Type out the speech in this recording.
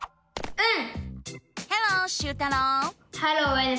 うん！